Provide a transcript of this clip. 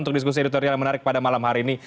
untuk diskusi editorial yang menarik pada malam hari ini